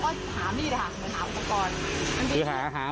คนเจ็บอีกคนนึงใช่ไหม